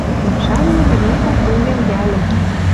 Машанет, викок монден йӓлӹм.